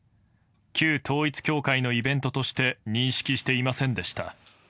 旧統一教会のイベントとして認識していませんでした。